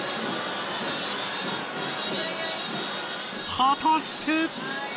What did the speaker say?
果たして！？